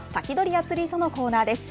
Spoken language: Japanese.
アツリートのコーナーです。